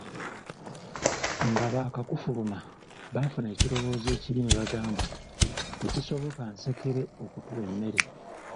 Nga bakakufuluma, baafuna ekirowoozo ekibi ne bagamba, tekisoboka ensekere okutuwa emmere.